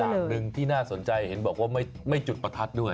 อย่างหนึ่งที่น่าสนใจเห็นบอกว่าไม่จุดประทัดด้วย